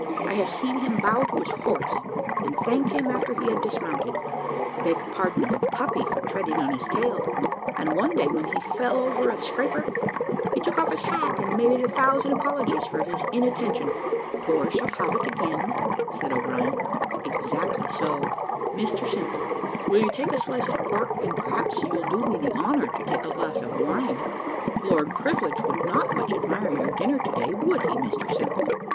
I have seen him bow to his horse, and thank him after he had dismounted beg pardon of a puppy for treading on his tail; and one day, when he fell over a scraper, he took off his hat, and made it a thousand apologies for his inattention." "Force of habit again," said O'Brien. "Exactly so. Mr Simple, will you take a slice of this pork; and perhaps you'll do me the honour to take a glass of wine? Lord Privilege would not much admire your dinner to day, would he, Mr Simple?"